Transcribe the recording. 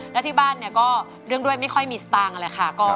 และที่บ้านเรื่องด้วยไม่ค่อยมีสตางค์อะไรค่ะ